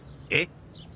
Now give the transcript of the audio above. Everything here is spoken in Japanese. えっ？